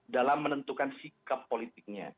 dalam menentukan sikap politiknya